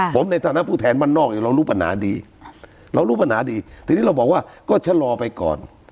ผมในฐานะผู้แทนบ้านนอกเนี่ยเรารู้ปัญหาดีเรารู้ปัญหาดีทีนี้เราบอกว่าก็ชะลอไปก่อน